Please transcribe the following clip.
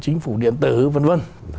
chính phủ điện tử vân vân